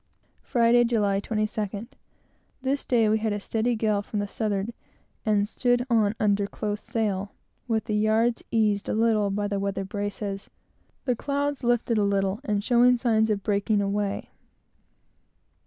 Friday, July 22d. This day we had a steady gale from the southward, and stood on under close sail, with the yards eased a little by the weather braces, the clouds lifting a little, and showing signs of breaking away.